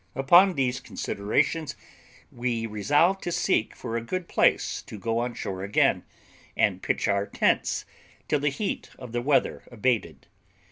Upon these considerations we resolved to seek for a good place to go on shore again, and pitch our tents, till the heat of the weather abated.